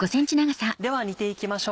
では煮ていきましょう。